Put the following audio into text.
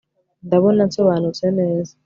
ndabona nsobanutse neza